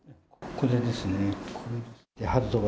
これですね。